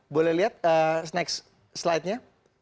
boleh lihat snack slide nya